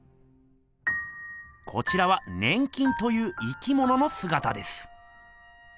こちらは粘菌という生きもののすがたです。